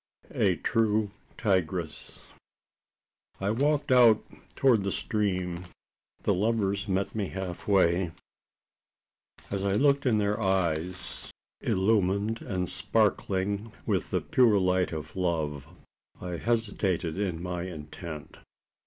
A TRUE TIGRESS. I walked out towards the stream. The lovers met me halfway. As I looked in their eyes, illumined and sparkling with the pure light of love, I hesitated in my intent.